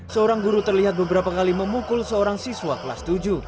seorang guru terlihat beberapa kali memukul seorang siswa kelas tujuh